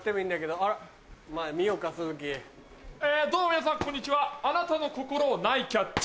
どうも皆さんこんにちはあなたの心をナイスキャッチ。